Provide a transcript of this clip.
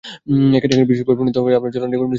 এখানে বিশেষভাবে প্রণীত আপনার জ্বালানী মিশ্রণট রয়েছে।